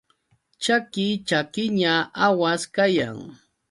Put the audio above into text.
Chaki chakiña awas kayan.